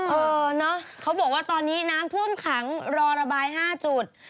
เออเนอะเขาบอกว่าตอนนี้น้ำท่วมขังรอระบาย๕จุด